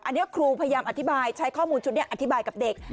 อันนี้ครูพยายามอธิบายใช้ข้อมูลชุดนี้อธิบายกับเด็ก